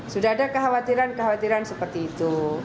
sudah ada kekhawatiran kekhawatiran seperti itu